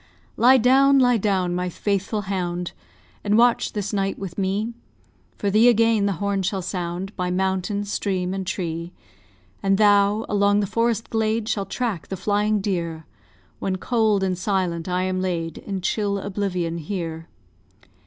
Lie down, lie down, my faithful hound! And watch this night with me. For thee again the horn shall sound, By mountain, stream, and tree; And thou, along the forest glade, Shall track the flying deer When, cold and silent, I am laid In chill oblivion here.